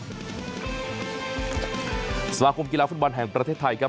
สวัสดีคุณผู้ชมกีฬาฟุตบันแห่งประเทศไทยครับ